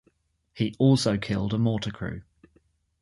He also killed a mortar crew.